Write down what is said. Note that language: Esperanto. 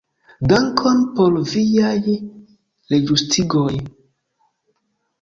Dankon por viaj reĝustigoj.